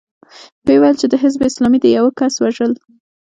ويې ويل چې د حزب اسلامي د يوه کس وژل.